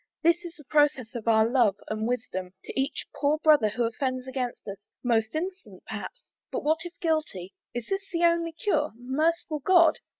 This is the process of our love and wisdom, To each poor brother who offends against us Most innocent, perhaps and what if guilty? Is this the only cure? Merciful God?